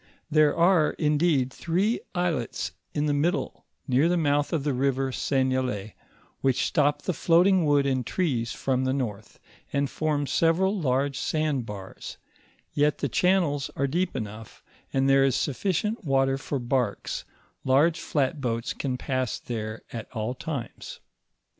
There are, indeed, three islets in the mid dle, near the mouth of the river Seignelay, which stop the floating wood and trees from the north, and form several large sand bars, yet the channels are deep enough, and there is sufficient; water foi barks ; large flat boats can pass there at all times.